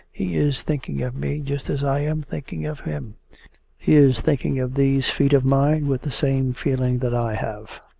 He is thinking of me just as I am thinking of him. He is thinking of these feet of mine with the same feeling that I have!